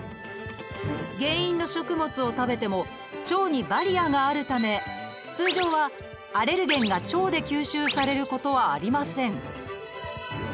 原因の食物を食べても腸にバリアーがあるため通常はアレルゲンが腸で吸収されることはありません。